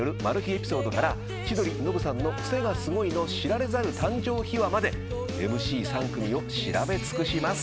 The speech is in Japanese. エピソードから千鳥ノブさんのクセがすごいの知られざる誕生秘話までＭＣ３組を調べ尽くします。